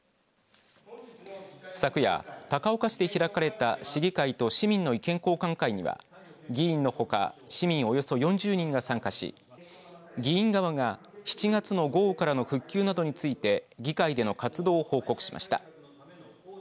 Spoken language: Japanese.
昨夜、高岡市で開かれた市議会と市民の意見交換会には議員のほか市民およそ４０人が参加し議員側が７月の豪雨からの復旧などについて議会での活動を報告しました。